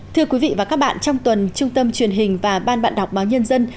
thưa quý vị và các bạn trong tuần trung tâm truyền hình và ban bạn đọc báo nhân dân